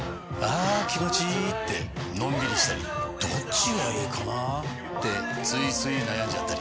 あ気持ちいいってのんびりしたりどっちがいいかなってついつい悩んじゃったり。